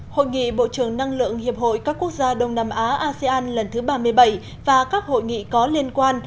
hội nghị bộ trưởng năng lượng hiệp hội các quốc gia đông nam á asean lần thứ ba mươi bảy và các hội nghị có liên quan